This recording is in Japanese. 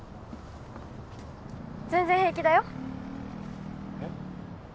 全然平気だよえっ？